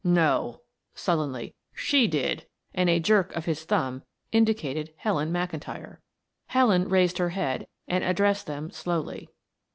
"No," sullenly. "She did," and a jerk of his thumb indicated Helen McIntyre. Helen raised her head and addressed them slowly.